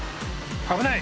危ない！